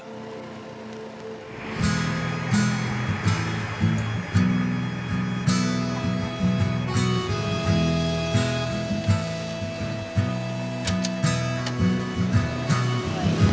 terima kasih ya bu